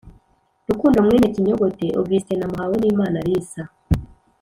Rukundo mwene Kinyogote Augustin na Muhawenimana Alisa